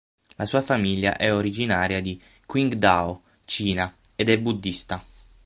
La sua famiglia è originaria di Qingdao, Cina, ed è buddista.